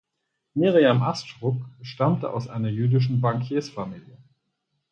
Miriam Astruc stammte aus einer jüdischen Bankiersfamilie.